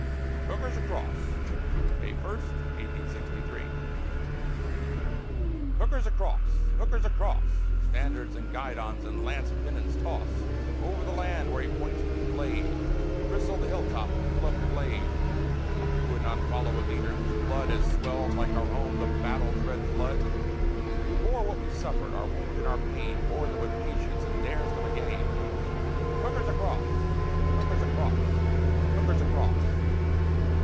HOOKER'S ACROSS [May 1, 1863] Hooker's across! Hooker's across! Standards and guidons and lance pennons toss Over the land where he points with his blade, Bristle the hill top, and fill up the glade. Who would not follow a leader whose blood Has swelled, like our own, the battle's red flood? Who bore what we suffered, our wound and our pain, Bore them with patience, and dares them again? Hooker's across! Hooker's across! Hooker's across!